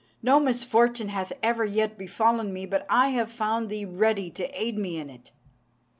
No misfortune hath ever yet befallen me but I have found thee ready to aid me in it."